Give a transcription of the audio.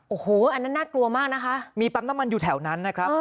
โอ้โหอันนั้นน่ากลัวมากนะคะมีปั๊มน้ำมันอยู่แถวนั้นนะครับ